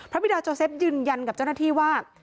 บิดาโจเซฟยืนยันกับเจ้าหน้าที่ว่า